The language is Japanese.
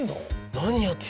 何やってるの？